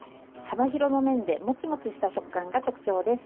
幅広の麺でモチモチした食感が特徴です。